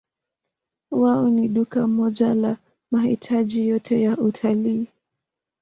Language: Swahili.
Wao ni duka moja la mahitaji yote ya utalii.